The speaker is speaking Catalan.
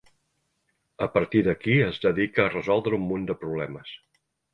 A partir d’aquí es dedica a resoldre un munt de problemes.